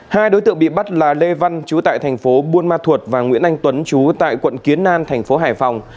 hai đối tượng bị bắt là lê văn chú tại thành phố buôn ma thuột và nguyễn anh tuấn chú tại quận kiến an thành phố hải phòng